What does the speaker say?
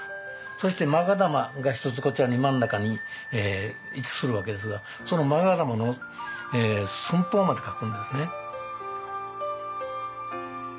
そしてまが玉が１つこちらに真ん中に位置するわけですがそのまが玉の寸法まで書くんですね。